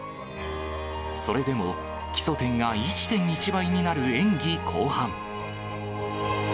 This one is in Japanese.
それでも、基礎点が１．１倍になる演技後半。